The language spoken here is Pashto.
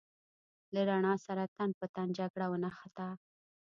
له رڼا سره تن په تن جګړه ونښته.